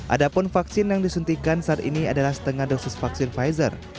adapun vaksin yang disuntikan saat ini adalah setengah dosis vaksin pfizer